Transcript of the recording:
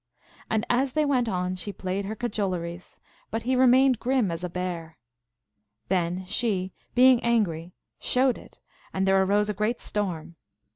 And as they went on she played her cajoleries, but he remained grim as a bear. Then she, being angry, showed it, and there arose a great storm.